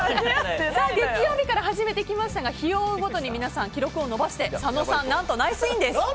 月曜日から始めてきましたが日を追うごとに皆さん記録を伸ばして佐野さん、ナイスインです。